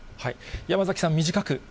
山崎さん、短く。